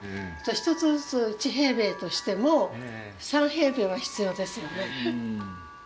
一つずつ１平米としても３平米は必要ですよね。